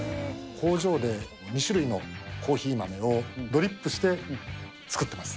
工場で２種類のコーヒー豆をドリップして作ってます。